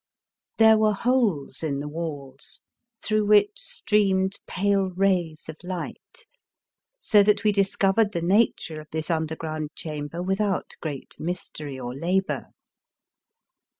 There were holes in the walls, through which streamed pale rays of light, so that we discovered the nature of this underground chamber without great mystery or labour.